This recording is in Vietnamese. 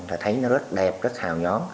và thấy nó rất đẹp rất hào nhóm